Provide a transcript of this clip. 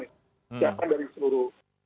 siapkan dari seluruh